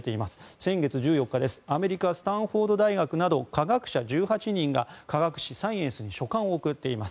先月１４日、アメリカのスタンフォード大学など科学者１８人が科学誌「サイエンス」に書簡を送っています。